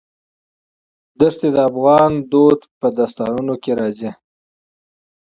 دښتې د افغان کلتور په داستانونو کې راځي.